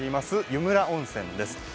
湯村温泉です。